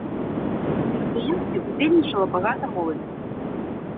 У мерапрыемстве ўдзельнічала багата моладзі.